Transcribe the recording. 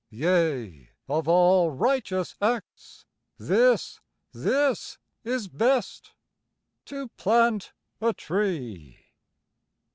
Yea, of all righteous acts, this, this is best, To plant a tree.